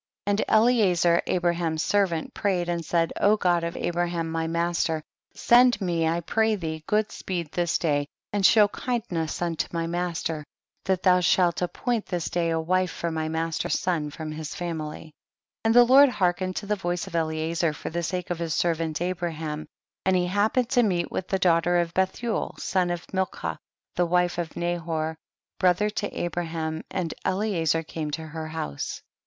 36. And Eliezer, Abraham's ser vant, prayed and said, God of Abraham my master ; send me I pray thee good speed this day and show kindness unto my master, that thou shall appoint this day a wife for my master's son fi'om his family. 37. And the Lord hearkened to the voice of Eliezer, for the sake of his servant Abraham, and he hap pened to meet with the daughter of Bethuel, the son of Milcah, the wife of Nahor, brother to Abraham, and Eliezer came to her house. 38.